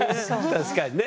確かにね。